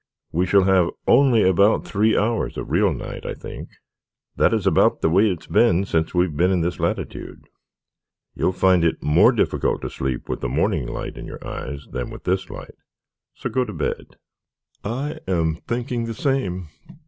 "We shall have only about three hours of real night, I think. That is about the way it has been since we have been in this latitude. You will find it more difficult to sleep with the morning light in your eyes than with this light, so go to bed." "I am thinking the same.